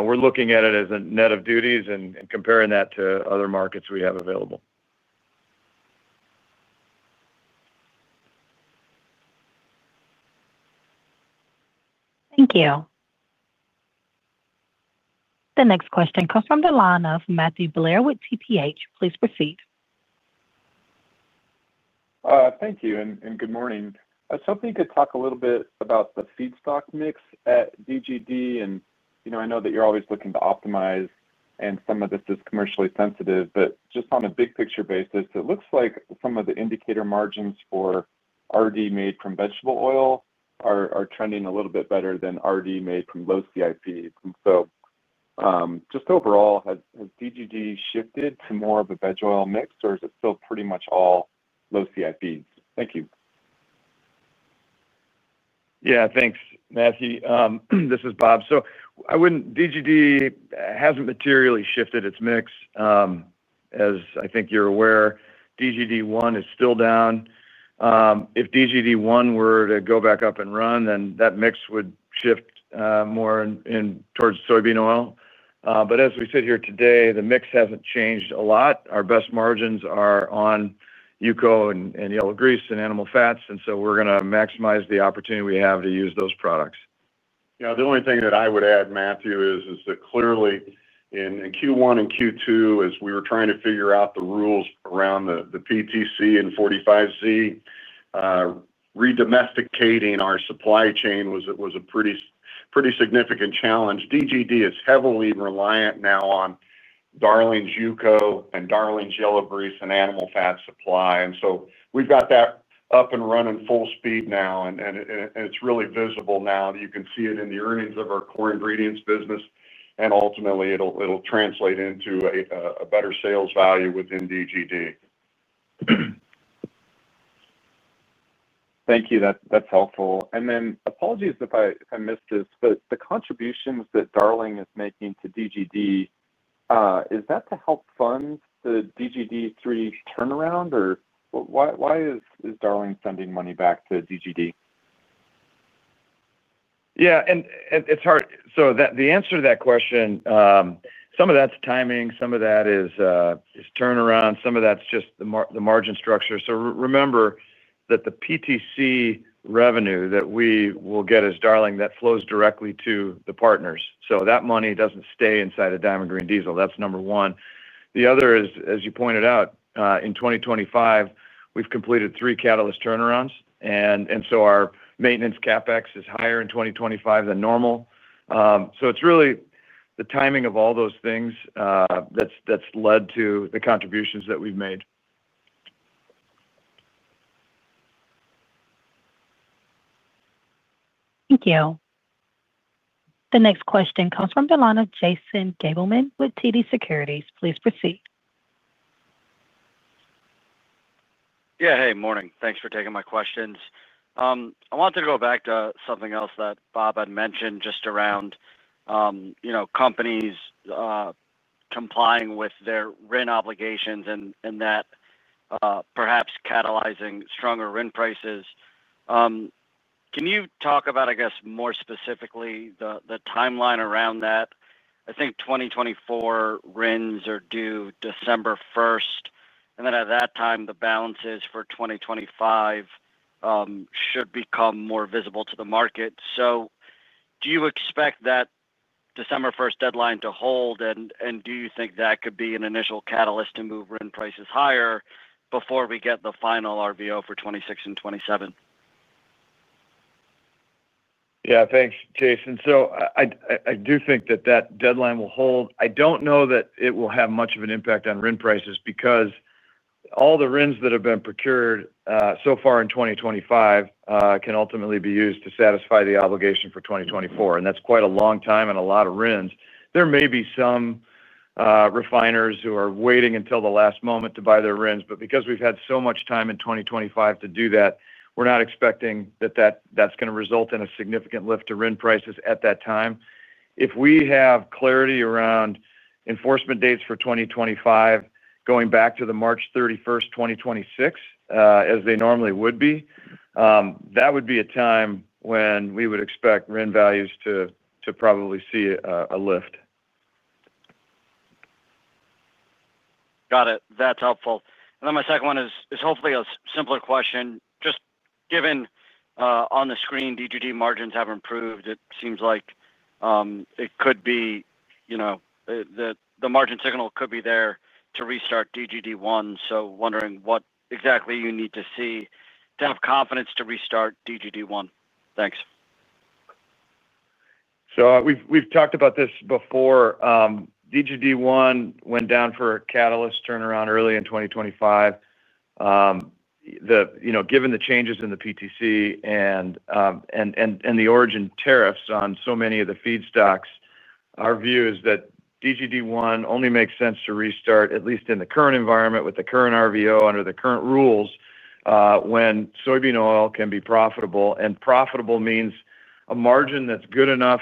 [SPEAKER 4] we're looking at it as a net of duties and comparing that to other markets we have available.
[SPEAKER 1] Thank you. The next question comes from the line of Matthew Blair with TPH. Please proceed.
[SPEAKER 12] Thank you, and good morning. I was hoping you could talk a little bit about the feedstock mix at DGD. I know that you're always looking to optimize, and some of this is commercially sensitive, but just on a big-picture basis, it looks like some of the indicator margins for RD made from vegetable oil are trending a little bit better than RD made from low CIPs. Just overall, has DGD shifted to more of a veg oil mix, or is it still pretty much all low CIPs? Thank you.
[SPEAKER 4] Yeah, thanks, Matthew. This is Bob. DGD hasn't materially shifted its mix. As I think you're aware, DGD1 is still down. If DGD1 were to go back up and run, that mix would shift more towards soybean oil. As we sit here today, the mix hasn't changed a lot. Our best margins are on UCO and yellow grease and animal fats, and we're going to maximize the opportunity we have to use those products.
[SPEAKER 3] Yeah. The only thing that I would add, Matthew, is that clearly in Q1 and Q2, as we were trying to figure out the rules around the PTC and 45Z, redomesticating our supply chain was a pretty significant challenge. DGD is heavily reliant now on Darling's UCO and Darling's yellow grease and animal fat supply. We've got that up and running full speed now, and it's really visible now. You can see it in the earnings of our core ingredients business. Ultimately, it'll translate into a better sales value within DGD.
[SPEAKER 12] Thank you. That's helpful. Apologies if I missed this, but the contributions that Darling is making to DGD, is that to help fund the DGD3 turnaround, or why is Darling sending money back to DGD?
[SPEAKER 4] Yeah. It's hard. The answer to that question, some of that's timing, some of that is turnaround, some of that's just the margin structure. Remember that the PTC revenue that we will get as Darling, that flows directly to the partners. That money doesn't stay inside of Diamond Green Diesel. That's number one. The other is, as you pointed out, in 2025, we've completed three catalyst turnarounds, and our maintenance CapEx is higher in 2025 than normal. It's really the timing of all those things that's led to the contributions that we've made.
[SPEAKER 1] Thank you. The next question comes from the line of Jason Daniel Gabelman with TD Securities. Please proceed.
[SPEAKER 13] Yeah. Hey, morning. Thanks for taking my questions. I wanted to go back to something else that Bob had mentioned just around, you know, companies complying with their RIN obligations and that perhaps catalyzing stronger RIN prices. Can you talk about, I guess, more specifically the timeline around that? I think 2024 RINs are due December 1, and at that time, the balances for 2025 should become more visible to the market. Do you expect that December 1 deadline to hold? Do you think that could be an initial catalyst to move RIN prices higher before we get the final RVO for 2026 and 2027?
[SPEAKER 4] Yeah. Thanks, Jason. I do think that that deadline will hold. I don't know that it will have much of an impact on RIN prices because all the RINs that have been procured so far in 2025 can ultimately be used to satisfy the obligation for 2024. That's quite a long time and a lot of RINs. There may be some refiners who are waiting until the last moment to buy their RINs, but because we've had so much time in 2025 to do that, we're not expecting that that's going to result in a significant lift to RIN prices at that time. If we have clarity around enforcement dates for 2025, going back to March 31, 2026, as they normally would be, that would be a time when we would expect RIN values to probably see a lift.
[SPEAKER 13] Got it. That's helpful. My second one is hopefully a simpler question. Just given on the screen, DGD margins have improved. It seems like it could be, you know, the margin signal could be there to restart DGD1. Wondering what exactly you need to see to have confidence to restart DGD1. Thanks.
[SPEAKER 4] We've talked about this before. DGD1 went down for a catalyst turnaround early in 2025. Given the changes in the PTC and the origin tariffs on so many of the feedstocks, our view is that DGD1 only makes sense to restart, at least in the current environment with the current RVO under the current rules, when soybean oil can be profitable. Profitable means a margin that's good enough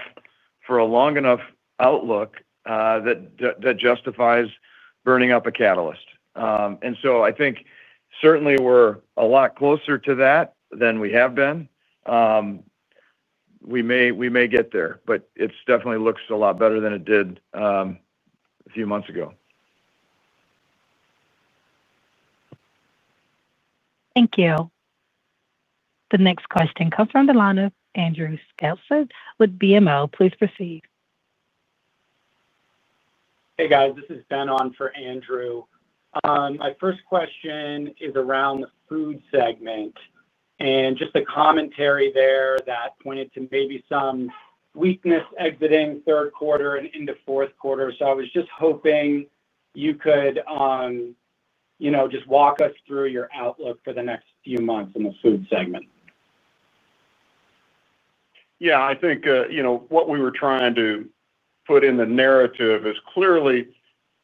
[SPEAKER 4] for a long enough outlook that justifies burning up a catalyst. I think certainly we're a lot closer to that than we have been. We may get there, but it definitely looks a lot better than it did a few months ago.
[SPEAKER 1] Thank you. The next question comes from the line of Andrew Strelzik with BMO Capital Markets. Please proceed.
[SPEAKER 14] Hey, guys. This is Ben on for Andrew. My first question is around the food segment and just the commentary there that pointed to maybe some weakness exiting third quarter and into fourth quarter. I was just hoping you could walk us through your outlook for the next few months in the food segment.
[SPEAKER 3] Yeah. I think what we were trying to put in the narrative is clearly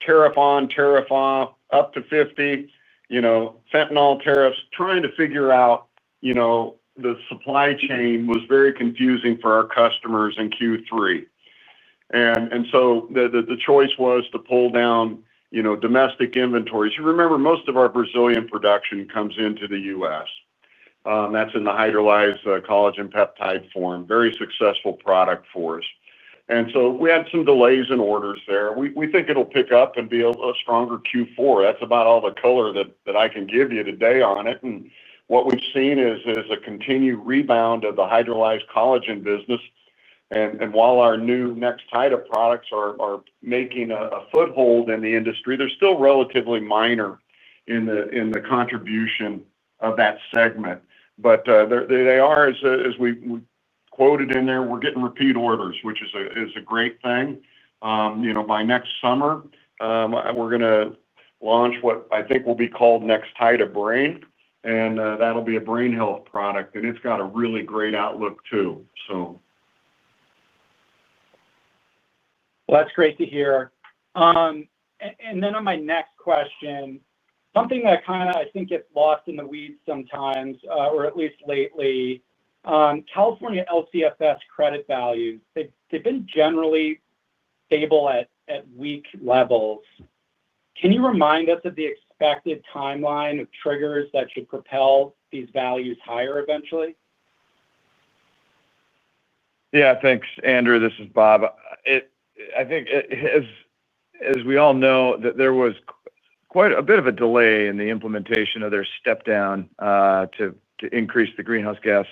[SPEAKER 3] tariff on, tariff off, up to 50, you know, fentanyl tariffs, trying to figure out the supply chain was very confusing for our customers in Q3. The choice was to pull down domestic inventories. You remember, most of our Brazilian production comes into the U.S. That's in the hydrolyzed collagen peptides form, very successful product for us. We had some delays in orders there. We think it'll pick up and be a stronger Q4. That's about all the color that I can give you today on it. What we've seen is a continued rebound of the hydrolyzed collagen business. While our new Nextida products are making a foothold in the industry, they're still relatively minor in the contribution of that segment. They are, as we quoted in there, we're getting repeat orders, which is a great thing. By next summer, we're going to launch what I think will be called Nextida Brain. That'll be a brain health product. It's got a really great outlook too.
[SPEAKER 14] That's great to hear. On my next question, something that kind of I think gets lost in the weeds sometimes, or at least lately, California LCFS credit values have been generally stable at weak levels. Can you remind us of the expected timeline of triggers that should propel these values higher eventually?
[SPEAKER 4] Yeah. Thanks, Andrew. This is Bob. I think, as we all know, there was quite a bit of a delay in the implementation of their step-down to increase the greenhouse gas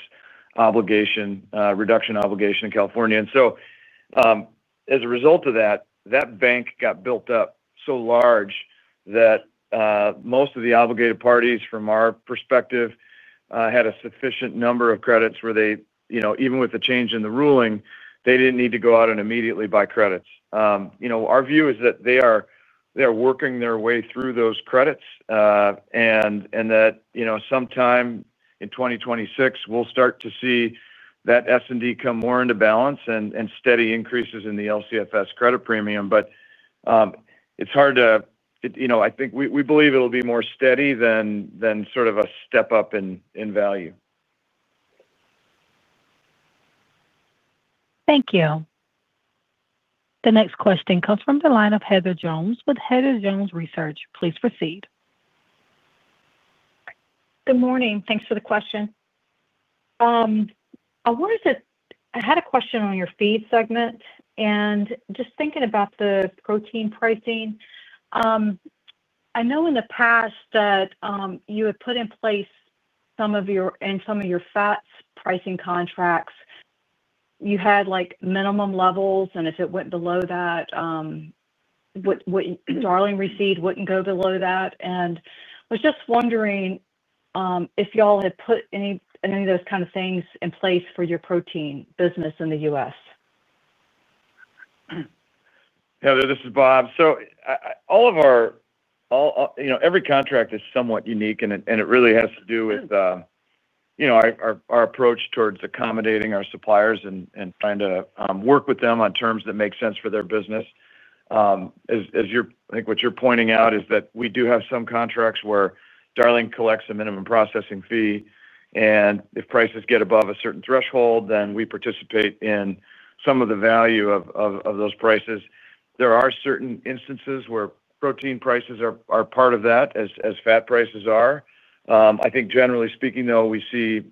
[SPEAKER 4] reduction obligation in California. As a result of that, that bank got built up so large that most of the obligated parties, from our perspective, had a sufficient number of credits where they, you know, even with the change in the ruling, they didn't need to go out and immediately buy credits. Our view is that they are working their way through those credits, and that, you know, sometime in 2026, we'll start to see that S&D come more into balance and steady increases in the LCFS credit premium. It's hard to, you know, I think we believe it'll be more steady than sort of a step up in value.
[SPEAKER 1] Thank you. The next question comes from the line of Heather Jones with Heather Jones Research. Please proceed.
[SPEAKER 15] Good morning. Thanks for the question. I wanted to, I had a question on your feed segment. Just thinking about the protein pricing, I know in the past that you had put in place some of your, in some of your fats pricing contracts, you had minimum levels, and if it went below that, Darling Ingredients wouldn't go below that. I was just wondering if y'all had put any of those kind of things in place for your protein business in the U.S.?
[SPEAKER 4] Yeah. This is Bob. All of our, you know, every contract is somewhat unique, and it really has to do with our approach towards accommodating our suppliers and trying to work with them on terms that make sense for their business. As you're, I think what you're pointing out is that we do have some contracts where Darling collects a minimum processing fee, and if prices get above a certain threshold, then we participate in some of the value of those prices. There are certain instances where protein prices are part of that, as fat prices are. I think generally speaking, though, we see,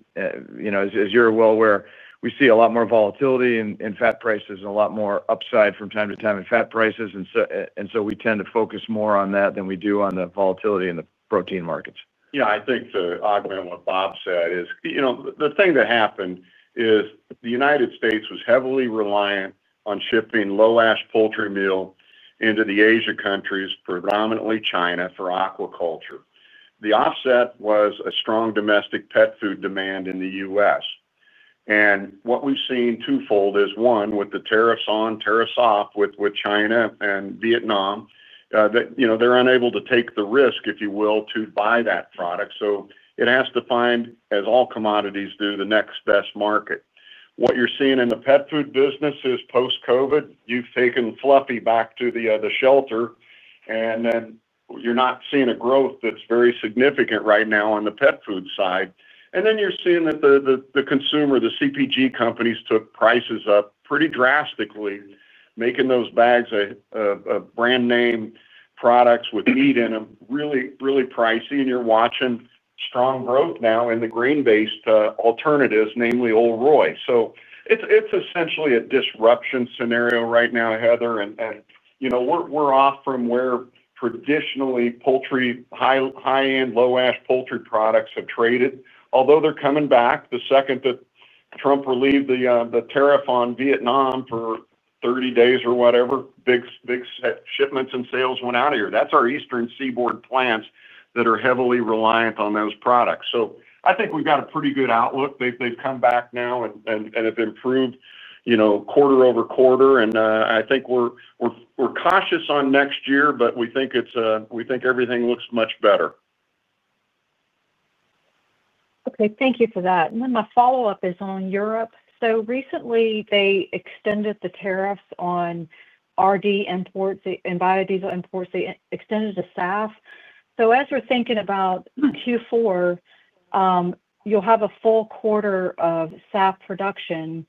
[SPEAKER 4] you know, as you're well aware, we see a lot more volatility in fat prices and a lot more upside from time to time in fat prices. We tend to focus more on that than we do on the volatility in the protein markets.
[SPEAKER 3] Yeah. I think to augment what Bob said is, you know, the thing that happened is the U.S. was heavily reliant on shipping low-ash poultry meal into the Asia countries, predominantly China, for aquaculture. The offset was a strong domestic pet food demand in the U.S. What we've seen twofold is, one, with the tariffs on, tariffs off with China and Vietnam, that, you know, they're unable to take the risk, if you will, to buy that product. It has to find, as all commodities, through the next best market. What you're seeing in the pet food business is post-COVID, you've taken Fluffy back to the shelter, and then you're not seeing a growth that's very significant right now on the pet food side. You're seeing that the consumer, the CPG companies, took prices up pretty drastically, making those bags of brand name products with meat in them really, really pricey. You're watching strong growth now in the grain-based alternatives, namely Old Roy. It's essentially a disruption scenario right now, Heather. You know, we're off from where traditionally high-end low-ash poultry products have traded. Although they're coming back, the second that Trump relieved the tariff on Vietnam for 30 days or whatever, big shipments and sales went out of here. That's our Eastern Seaboard plants that are heavily reliant on those products. I think we've got a pretty good outlook. They've come back now and have improved, you know, quarter-over-quarter. I think we're cautious on next year, but we think everything looks much better.
[SPEAKER 15] Okay. Thank you for that. My follow-up is on Europe. Recently, they extended the tariffs on RD imports and biodiesel imports. They extended to SAF. As we're thinking about Q4, you'll have a full quarter of SAF production,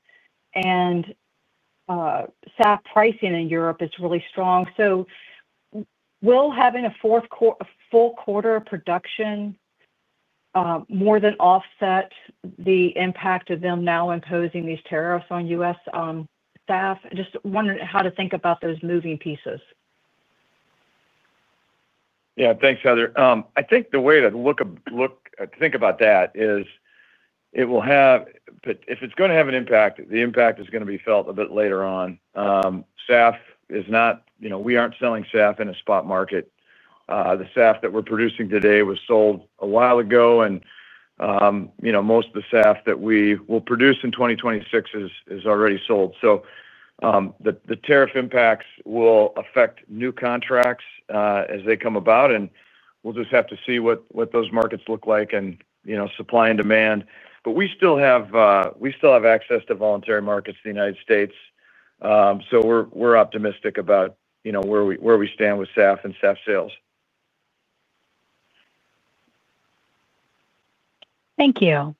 [SPEAKER 15] and SAF pricing in Europe is really strong. Will having a fourth full quarter of production more than offset the impact of them now imposing these tariffs on U.S. SAF? I'm just wondering how to think about those moving pieces.
[SPEAKER 4] Yeah. Thanks, Heather. I think the way to think about that is it will have, if it's going to have an impact, the impact is going to be felt a bit later on. SAF is not, you know, we aren't selling SAF in a spot market. The SAF that we're producing today was sold a while ago, and you know, most of the SAF that we will produce in 2026 is already sold. The tariff impacts will affect new contracts as they come about, and we'll just have to see what those markets look like and, you know, supply and demand. We still have access to voluntary markets in the U.S. We are optimistic about, you know, where we stand with SAF and SAF sales.
[SPEAKER 1] Thank you.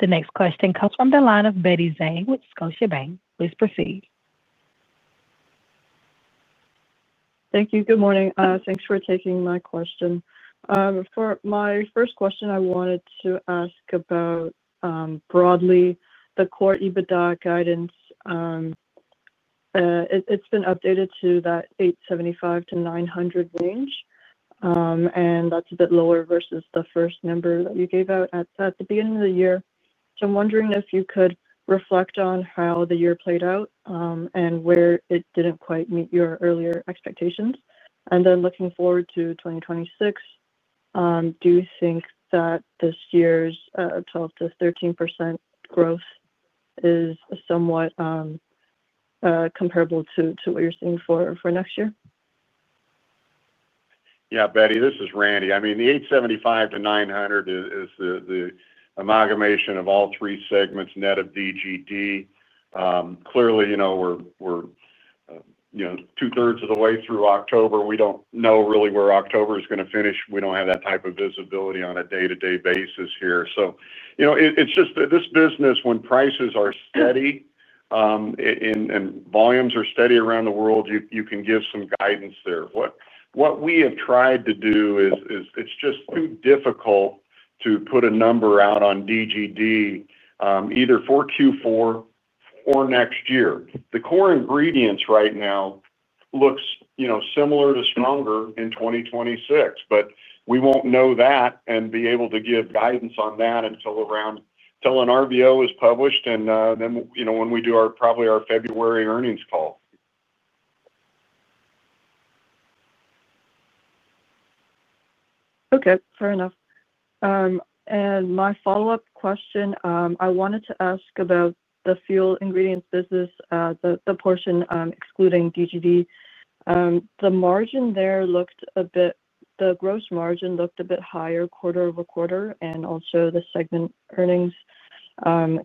[SPEAKER 1] The next question comes from the line of Betty Zhang with Scotiabank. Please proceed.
[SPEAKER 16] Thank you. Good morning. Thanks for taking my question. For my first question, I wanted to ask about broadly the core EBITDA guidance. It's been updated to that $875 million-$900 million range, and that's a bit lower vs the first number that you gave out at the beginning of the year. I'm wondering if you could reflect on how the year played out and where it didn't quite meet your earlier expectations. Looking forward to 2026, do you think that this year's 12%-13% growth is somewhat comparable to what you're seeing for next year?
[SPEAKER 3] Yeah, Betty, this is Randy. The $875 million-$900 million is the amalgamation of all three segments net of DGD. Clearly, we're two-thirds of the way through October. We don't know really where October is going to finish. We don't have that type of visibility on a day-to-day basis here. This business, when prices are steady and volumes are steady around the world, you can give some guidance there. What we have tried to do is it's just too difficult to put a number out on DGD either for Q4 or next year. The core ingredients right now look similar to stronger in 2026, but we won't know that and be able to give guidance on that until around when an RVO is published and then, when we do our, probably, our February earnings call.
[SPEAKER 16] Okay. Fair enough. My follow-up question, I wanted to ask about the fuel ingredients business, the portion excluding DGD. The margin there looked a bit, the gross margin looked a bit higher, quarter over quarter, and also the segment earnings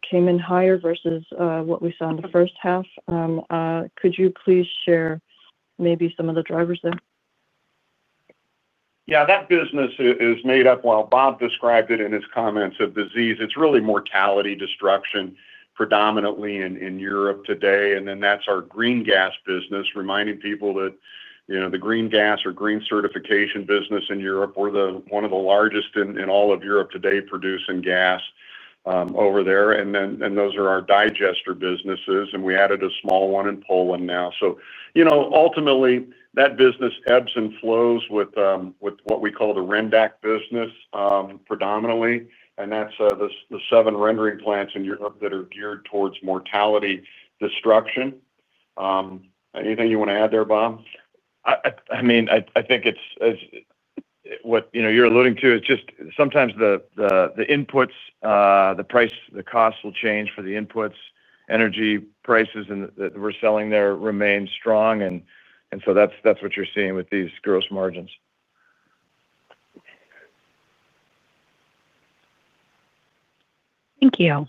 [SPEAKER 16] came in higher vs what we saw in the first half. Could you please share maybe some of the drivers there?
[SPEAKER 3] Yeah. That business is made up, while Bob described it in his comments, of disease. It's really mortality destruction predominantly in Europe today. That's our green gas business, reminding people that, you know, the green gas or green certification business in Europe, we're one of the largest in all of Europe today producing gas over there. Those are our digester businesses. We added a small one in Poland now. Ultimately, that business ebbs and flows with what we call the RENDAQ business predominantly. That's the seven rendering plants in Europe that are geared towards mortality destruction. Anything you want to add there, Bob?
[SPEAKER 4] I think what you're alluding to is just sometimes the inputs, the price, the costs will change for the inputs. Energy prices that we're selling there remain strong, and that's what you're seeing with these gross margins.
[SPEAKER 1] Thank you.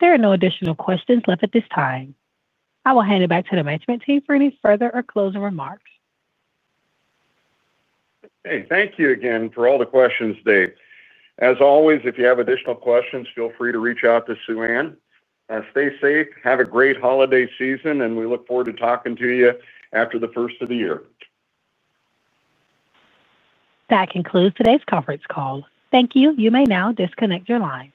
[SPEAKER 1] There are no additional questions left at this time. I will hand it back to the management team for any further or closing remarks.
[SPEAKER 3] Hey, thank you again for all the questions today. As always, if you have additional questions, feel free to reach out to Suann Guthrie. Stay safe. Have a great holiday season, and we look forward to talking to you after the first of the year.
[SPEAKER 1] That concludes today's conference call. Thank you. You may now disconnect your line.